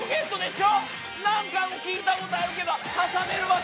何回も聴いた事あるけど挟めるわけ。